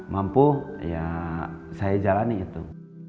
mampu ya saya jalani itu